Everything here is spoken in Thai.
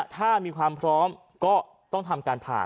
ถ้ามีความพร้อมก็ต้องทำการผ่า